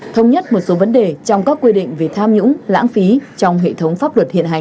thống nhất một số vấn đề trong các quy định về tham nhũng lãng phí trong hệ thống pháp luật hiện hành